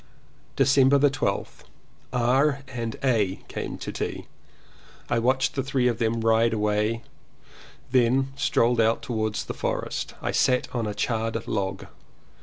December 12th. R. and A. came to tea. I watched the three of them ride away, then strolled out towards the forest. I sat on a charred log.